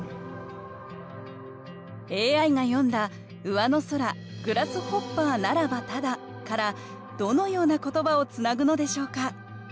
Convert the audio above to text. ＡＩが詠んだ「上の空グラスホッパーならばただ」からどのような言葉をつなぐのでしょうか？